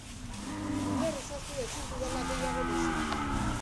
Uler ezazu ezin dudala gehiago bizi.